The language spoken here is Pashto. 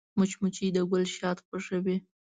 مچمچۍ د ګل شات خوښوي